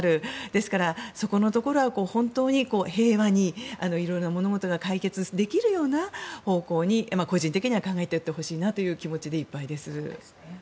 ですから、そこのところは本当に平和に色々な物事が解決できるような方向に個人的には考えていってほしいという気持ちでいっぱいです。